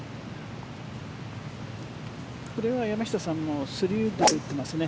これは山下さんも３ウッドで打っていますね。